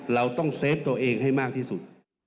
เราต้องเซฟตัวเองให้มากที่สุด